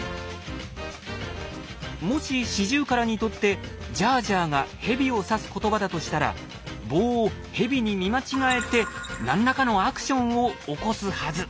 もしシジュウカラにとって「ジャージャー」がヘビを指す言葉だとしたら棒をヘビに見間違えて何らかのアクションを起こすはず。